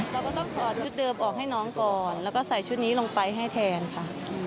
เราก็ต้องถอดชุดเดิมออกให้น้องก่อนแล้วก็ใส่ชุดนี้ลงไปให้แทนค่ะ